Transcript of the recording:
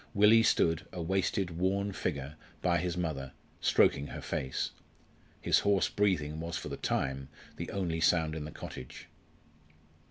Willie stood, a wasted, worn figure, by his mother, stroking her face; his hoarse breathing was for the time the only sound in the cottage.